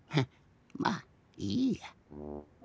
まあいいや。